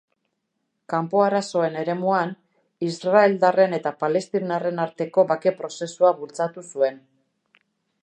Kanpo-arazoen eremuan, israeldarren eta palestinarren arteko bake-prozesua bultzatu zuen.